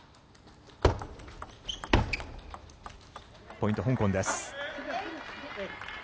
ポイント、香港です。